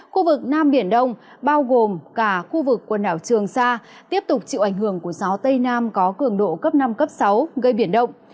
khu vực nam biển đông bao gồm cả khu vực quần đảo trường sa tiếp tục chịu ảnh hưởng của gió tây nam có cường độ cấp năm cấp sáu gây biển động